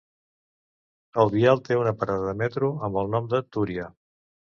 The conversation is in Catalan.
El vial té una parada de metro amb el nom de Túria.